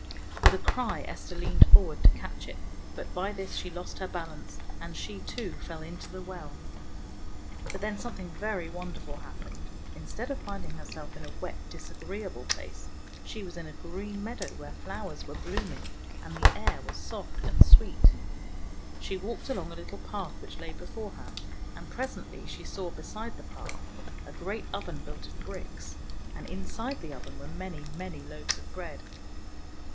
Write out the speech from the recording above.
With a cry Esther leaned forward to catch it, but by this she lost her balance and she, too, fell into the well. But then something very wonderful hap pened. Instead of finding herself in a wet, disagreeable place, she was in a green [ 149 ] FAVORITE FAIRY TALES RETOLD meadow where flowers were blooming, and the air was soft and sweet. She walked along a little path which lay before her, and presently she saw, beside the path, a great oven built of bricks, and inside the oven were many, many loaves of bread.